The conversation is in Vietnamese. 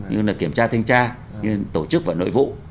như là kiểm tra thanh tra tổ chức và nội vụ